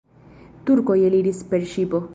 Turkoj eliris per ŝipo.